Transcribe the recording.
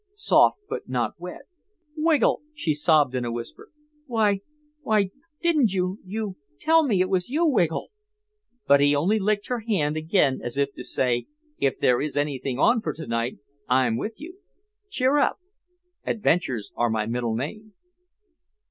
Soft but not wet. "Wiggle," she sobbed in a whisper; "why—why—didn't you—you—tell me it was you—Wiggle?" But he only licked her hand again as if to say, "If there is anything on for to night, I'm with you. Cheer up. Adventures are my middle name...."